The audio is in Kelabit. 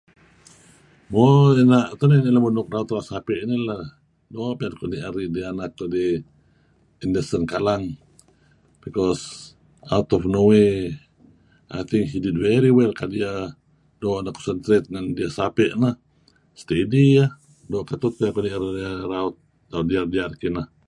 Mo na' tak ideh lemulun nuk naru sape' nih lah doo' piyan kuh ni'er anak kudih Anderson Kalang because out of nowhere I think he did very well kadi' iyeh doo' neh concentrate ngen diyeh sape' neh. Steady iyeh, doo ketuh tiyeh tu'en ni'er iyeh raut doo' diyar-diyar kineh.